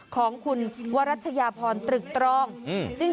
ของคุณวรัชยาพรตรึกตรอง